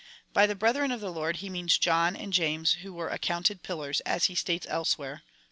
By the brethren of the Lord, he means John and James, who were accounted pillars, as he states elsewhere.